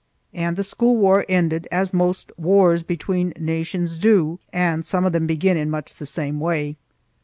and the school war ended as most wars between nations do; and some of them begin in much the same way.